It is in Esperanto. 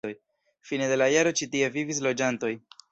Fine de la jaro ĉi tie vivis loĝantoj.